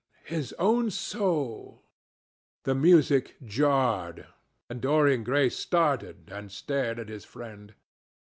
—his own soul'?" The music jarred, and Dorian Gray started and stared at his friend.